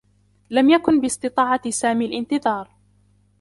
لم يكن باستطاعة سامي الانتظار.